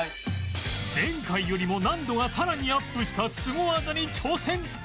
前回よりも難度がさらにアップしたスゴ技に挑戦！